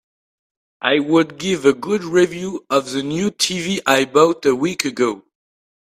I would give a good review of the new TV I bought a week ago.